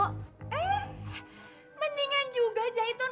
eh mendingan juga zaiton